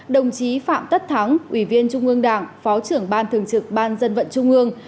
đồng chí phạm tất thắng ubnd phó trưởng ban thường trực ban dân vận trung ương